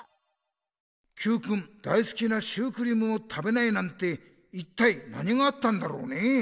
Ｑくん大すきなシュークリームを食べないなんて一体何があったんだろうね？